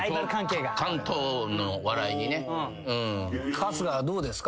春日どうですか？